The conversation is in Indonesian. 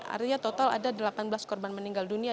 artinya total ada delapan belas korban meninggal dunia